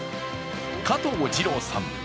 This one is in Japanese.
加藤治郎さん